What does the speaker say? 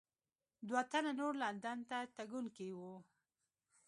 دوه تنه نور لندن ته تګونکي وو.